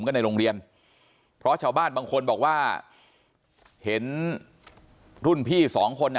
กันในโรงเรียนเพราะชาวบ้านบางคนบอกว่าเห็นรุ่นพี่สองคน